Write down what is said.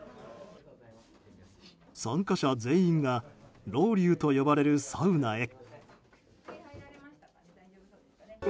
参加者全員がロウリュウと呼ばれるサウナへ。